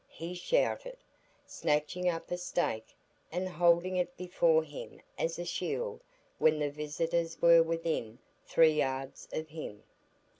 he shouted, snatching up a stake and holding it before him as a shield when the visitors were within three yards of him.